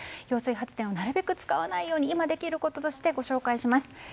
揚水発電をなるべく使わないように今できることをご紹介します。